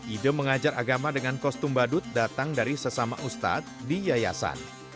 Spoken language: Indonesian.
ide mengajar agama dengan kostum badut datang dari sesama ustadz di yayasan